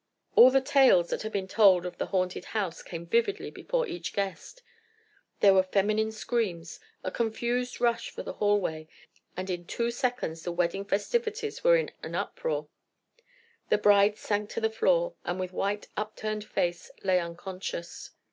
All the tales that had been told of the haunted house came vividly before each guest. There were feminine screams, a confused rush for the hallway, and in two seconds the wedding festivities were in an uproar. The bride sank to the floor, and with white, upturned face, lay unconscious.